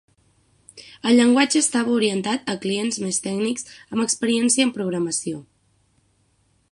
El llenguatge estava orientat a clients més tècnics amb experiència en programació.